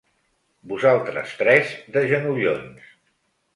Vosaltres tres de genollons.